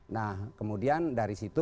nah kemudian dari situ